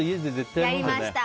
やりました。